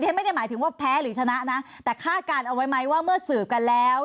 ไม่ได้หมายถึงว่าแพ้หรือชนะนะแต่คาดการณ์เอาไว้ไหมว่าเมื่อสืบกันแล้ว